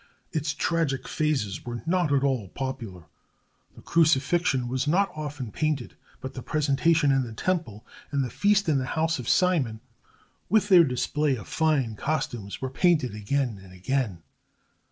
Its tragic phases were not at all popular. The Crucifixion was not often painted; but the Presentation in the Temple and the Feast in the House of Simon, with their display of fine costumes, were painted again and again.